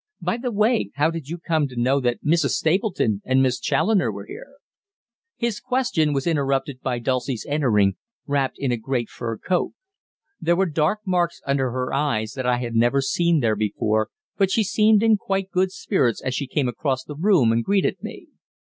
By the way, how did you come to know that Mrs. Stapleton and Miss Challoner were here?" His question was interrupted by Dulcie's entering, wrapped in a great fur coat. There were dark marks under her eyes that I had never seen there before, but she seemed in quite good spirits as she came across the room and greeted me.